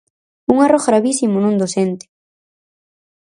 Un erro gravísimo nun docente.